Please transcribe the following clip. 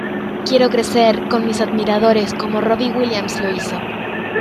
Quiero crecer con mis admiradores como Robbie Williams lo hizo.